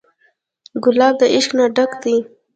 ګلاب د عشق نه ډک دی.